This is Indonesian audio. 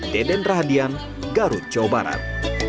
deden rahadian garut jawa barat